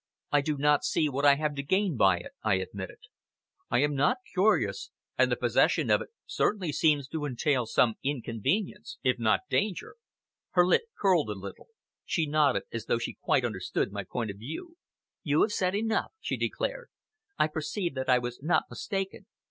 "I do not see what I have to gain by it," I admitted. "I am not curious, and the possession of it certainly seems to entail some inconvenience, if not danger." Her lip curled a little. She nodded as though she quite understood my point of view. "You have said enough," she declared; "I perceive that I was not mistaken!